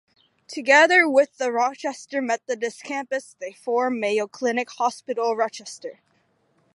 Together with the Rochester Methodist Campus they form Mayo Clinic Hospital - Rochester.